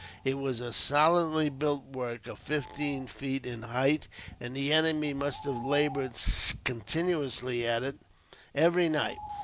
It was a solidly built work, of fifteen feet in height, and the enemy must have laboured continuously at it, every night.